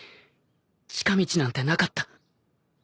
近道なんてなかった。